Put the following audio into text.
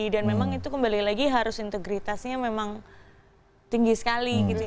dan memang itu kembali lagi harus integritasnya memang tinggi sekali gitu